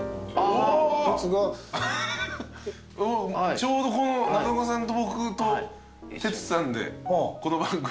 ちょうど中岡さんと僕と哲さんでこの番組。